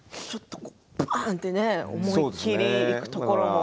バーンって思い切りいくところも。